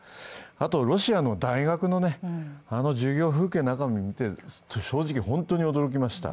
あと、ロシアの大学の授業風景を見て、正直、本当に驚きました。